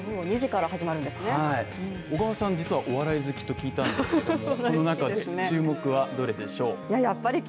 小川さん実はお笑い好きと聞いたんですが注目はどうでしょう。